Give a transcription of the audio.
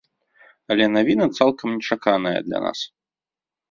Але навіна цалкам нечаканая для нас.